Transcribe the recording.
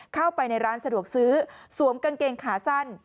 เข้าไปในร้านสะดวกซื้อสวมกางเกงขาสั้น